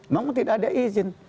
namun tidak ada izin